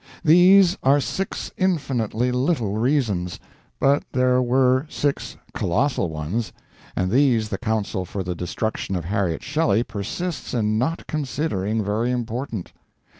These are six infinitely little reasons; but there were six colossal ones, and these the counsel for the destruction of Harriet Shelley persists in not considering very important.